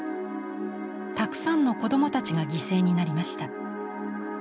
たくさんの子どもたちが犠牲になりました。